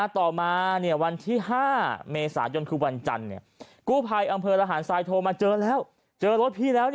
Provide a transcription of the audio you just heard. ต่อมาวันที่๕เมษายนคือวันจันทร์กู้ภัยอำเภอระหารทรายโทรมาเจอแล้วเจอรถพี่แล้ว